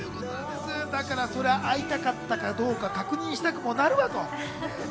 そりゃ会いたかったかどうか確認したくもなるわ。